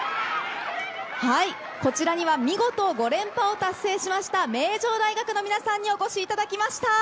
こちらには見事５連覇を達成しました名城大学の皆さんにお越しいただきました。